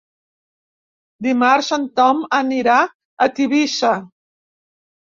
Dimarts en Tom anirà a Tivissa.